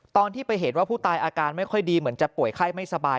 ตอนที่ไปเห็นว่าผู้ตายอาการไม่ค่อยดีเหมือนจะป่วยไข้ไม่สบาย